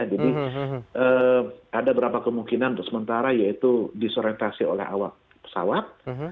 jadi ada beberapa kemungkinan untuk sementara yaitu disorientasi oleh pesawat